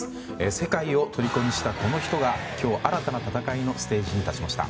世界を虜にしたこの人が今日、新たな戦いのステージに立ちました。